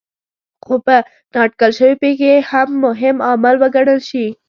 خو په نااټکل شوې پېښې هم مهم عامل وګڼل شي.